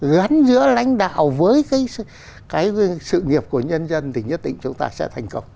gắn giữa lãnh đạo với cái sự nghiệp của nhân dân thì nhất định chúng ta sẽ thành công